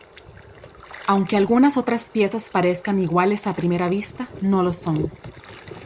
Aunque algunas otras piezas parezcan iguales a primera vista, no lo son.